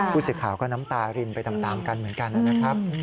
ผู้สื่อข่าวก็น้ำตารินไปตามกันเหมือนกันนะครับ